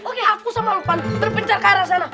oke aku sama lopan berpencar ke arah sana